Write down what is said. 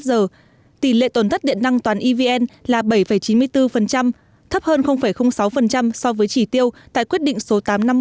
tỷ lệ tổn thất điện năng toàn evn là bảy chín mươi bốn thấp hơn sáu so với chỉ tiêu tại quyết định số tám trăm năm mươi